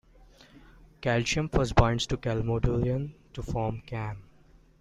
Calcium first binds to calmodulin to form CaM.